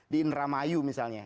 di indramayu misalnya